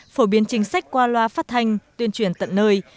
phổ biến chính sách qua loa phát thanh tuyên truyền tận nơi